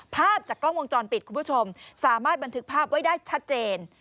ภาพจากกล้องวงจรปิดคุณผู้ชมสามารถบันทึกภาพไว้ได้ชัดเจน